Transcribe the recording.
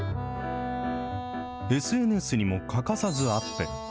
ＳＮＳにも欠かさずアップ。